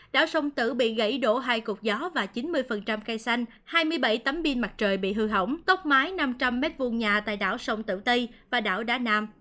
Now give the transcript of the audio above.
đảo sông tử bị gãy đổ hai cột gió và chín mươi cây xanh hai mươi bảy tấm pin mặt trời bị hư hỏng tốc mái năm trăm linh m hai nhà tại đảo sông tử tây và đảo đá nam